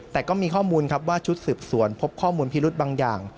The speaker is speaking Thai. แต่ก็มีข้อมูลครับว่าชุดสืบสวนพบข้อมูลพิรุธบางอย่าง